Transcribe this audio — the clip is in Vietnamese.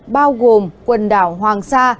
bao gồm quần đảo hoàng sa